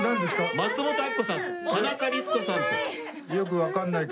松本明子さん田中律子さんと。